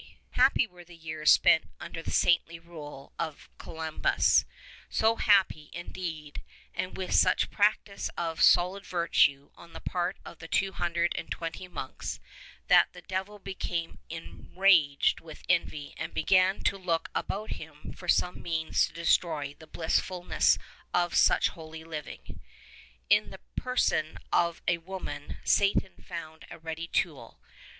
Happy were the years spent under the saintly rule of Columbanus, so happy, indeed, and with such practise of solid virtue on the part of the two hundred and twenty monks, that the devil became enraged with envy and began to look about him for some means to destroy the blissful ness of such holy living. In the person of a woman Satan found a ready tool.